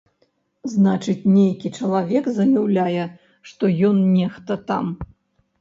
Значыць, нейкі чалавек заяўляе, што ён нехта там.